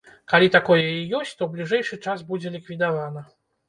Калі такое і ёсць, то ў бліжэйшы час будзе ліквідавана.